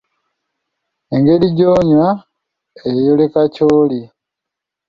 Engeri gy'onywa eyoleka ky'oli.